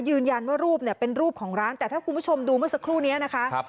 รูปเนี่ยเป็นรูปของร้านแต่ถ้าคุณผู้ชมดูเมื่อสักครู่นี้นะคะ